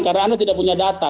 karena anda tidak punya data